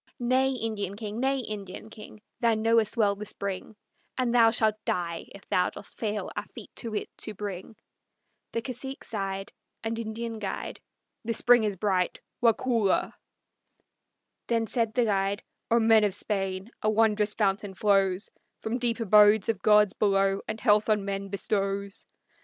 "Nay, Indian king; nay, Indian king, Thou knowest well the spring, And thou shalt die if thou dost fail our feet to it to bring." The cacique sighed, And Indian guide, "The spring is bright, Waukulla!" Then said the guide, "O men of Spain, a wondrous fountain flows From deep abodes of gods below, and health on men bestows.